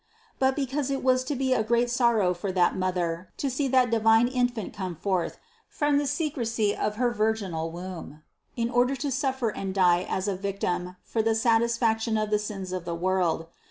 But because it was to be a great sorrow for that Mother to see that divine Infant come forth from the secrecy of her virginal womb in order to suffer and die as a victim for the satisfaction of the sins of the world.